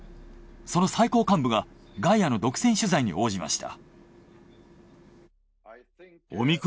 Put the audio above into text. その最高幹部が「ガイア」の独占取材に応じました。